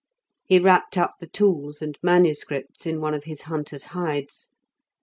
He wrapped up the tools and manuscripts in one of his hunter's hides.